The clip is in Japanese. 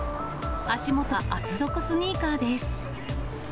足元は厚底スニーカーです。